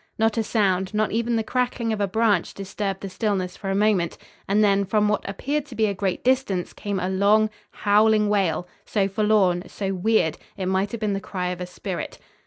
Not a sound, not even the crackling of a branch disturbed the stillness for a moment and then, from what appeared to be a great distance, came a long, howling wail, so forlorn, so weird, it might have been the cry of a spirit.